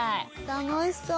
楽しそう。